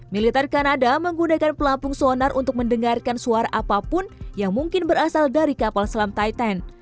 militer kanada menggunakan pelampung sonar untuk mendengarkan suara apapun yang mungkin berasal dari kapal selam titan